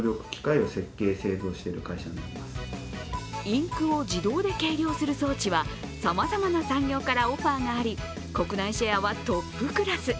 インクを自動で計量する装置はさまざまな産業からオファーがあり国内シェアはトップクラス。